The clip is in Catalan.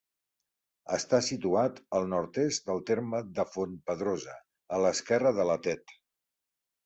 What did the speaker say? Està situat al nord-est del terme de Fontpedrosa, a l'esquerra de la Tet.